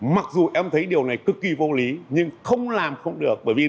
mặc dù em thấy điều này cực kỳ vô lý nhưng không làm không được